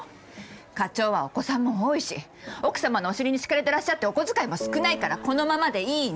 課長はお子さんも多いし奥様のお尻に敷かれてらっしゃってお小遣いも少ないからこのままでいいの！